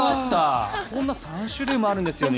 こんな３種類もあるんですよね。